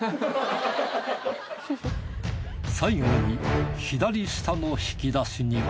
最後に左下の引き出しには？